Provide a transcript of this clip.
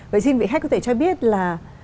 vậy xin vị khách có thể cho biết là